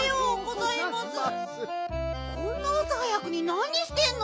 こんなあさ早くになにしてんの？